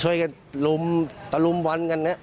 ช่วยกันลุมตะลุมบอลกันเนี่ย